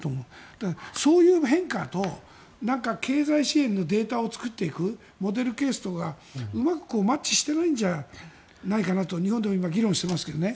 だから、そういう変化と経済支援のデータを作っていくモデルケースとがうまくマッチしていないんじゃないかなと日本でも今議論してますけどね。